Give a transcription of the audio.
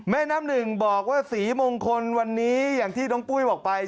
แม่น้ำหนึ่งบอกว่าสีมงคลวันนี้อย่างที่น้องปุ้ยบอกไป